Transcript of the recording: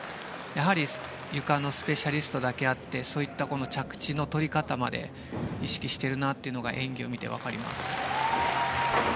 やはりゆかのスペシャリストだけあってそういった着地の取り方まで意識しているなというのが演技を見てわかります。